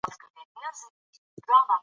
آیا غواړې چې د الله په دربار کې مقام ولرې؟